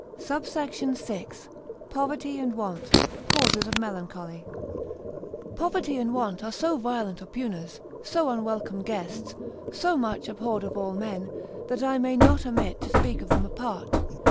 SUBSECT. VI.—Poverty and Want, Causes of Melancholy. Poverty and want are so violent oppugners, so unwelcome guests, so much abhorred of all men, that I may not omit to speak of them apart.